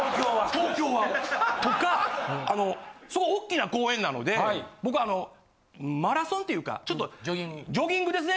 東京は。とかあのすごい大きな公園なので僕あのマラソンっていうかちょっとジョギングですね。